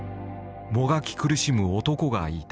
もがき苦しむ男がいた。